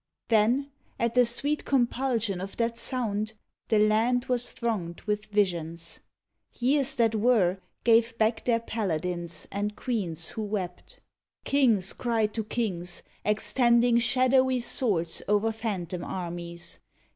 Then, at the sweet compulsion of that sound, The land was thronged with visions. Years that were Gave back their paladins and queens who wept. 61 SHAKESPEARE Kings cried to kings, extending shadowy swords O er phantom armies.